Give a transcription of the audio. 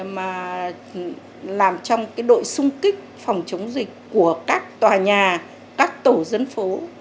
mà làm trong cái đội sung kích phòng chống dịch của các tòa nhà các tổ dân phố